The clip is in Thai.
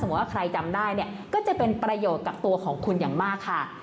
ว่าใครจำได้เนี่ยก็จะเป็นประโยชน์กับตัวของคุณอย่างมากค่ะ